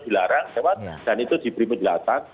dilarang lewat dan itu diberi penjelasan